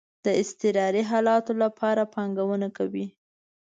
د اضطراری حالاتو لپاره پانګونه کوئ؟